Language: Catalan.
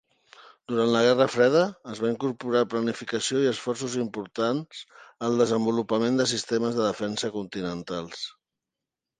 Durant la Guerra Freda, es va incorporar planificació i esforços importants al desenvolupament de sistemes de defensa continentals.